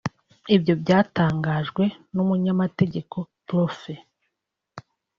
ibyo byatangajwe n’umunyamategeko Prof